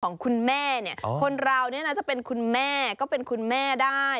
ของคุณแม่เนี่ยคนเราเนี่ยนะจะเป็นคุณแม่ก็เป็นคุณแม่ได้